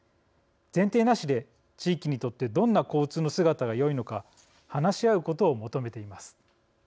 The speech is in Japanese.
前提なしで、地域にとってどんな交通の姿がよいのか話し合うことを求めています。